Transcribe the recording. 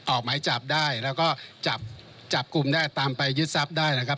ออกหมายจับได้แล้วก็จับกลุ่มได้ตามไปยึดทรัพย์ได้นะครับ